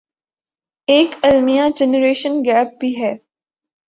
ایک المیہ generation gap بھی ہے